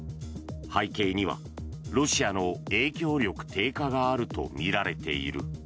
背景には、ロシアの影響力低下があるとみられている。